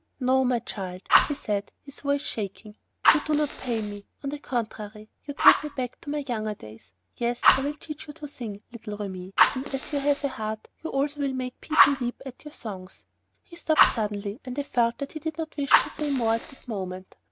"No, my child," he said, his voice shaking, "you do not pain me; on the contrary, you take me back to my younger days. Yes, I will teach you to sing, little Remi, and, as you have a heart, you also will make people weep with your songs." He stopped suddenly, and I felt that he did not wish to say more at that moment.